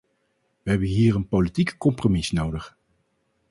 We hebben hier een politiek compromis nodig.